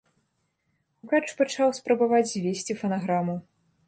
Гукач пачаў спрабаваць звесці фанаграму.